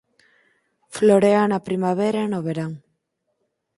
Florea na primavera e no verán.